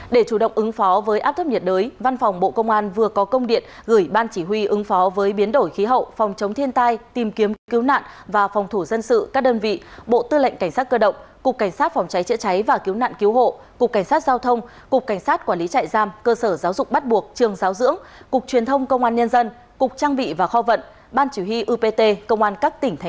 để chủ động ứng phó với áp thấp nhiệt đới văn phòng bộ công an vừa có công điện gửi ban chỉ huy ứng phó với biến đổi khí hậu phòng chống thiên tai tìm kiếm cứu nạn và phòng thủ dân sự các đơn vị bộ tư lệnh cảnh sát cơ động cục cảnh sát phòng cháy chữa cháy và cứu nạn cứu hộ cục cảnh sát giao thông cục cảnh sát quản lý trại giam cơ sở giáo dục bắt buộc trường giáo dưỡng cục truyền thông công an nhân dân cục trang vị và kho vận ban chỉ huy upt công an các tỉ